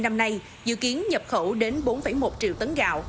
năm nay dự kiến nhập khẩu đến bốn một triệu tấn gạo